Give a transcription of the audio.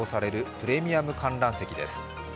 プレミアム観覧席です。